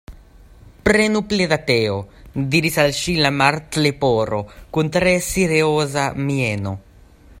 "Prenu pli da teo," diris al ŝi la Martleporo, kun tre serioza mieno.